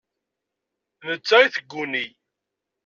Nettat i tguni.